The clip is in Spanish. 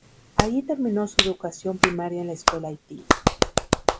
Allí terminó su educación primaria en la escuela Haití.